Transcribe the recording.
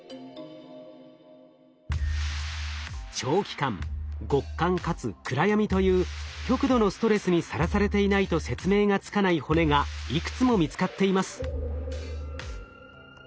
長期間極寒かつ暗闇という極度のストレスにさらされていないと説明がつかない骨がいくつも見つかっています。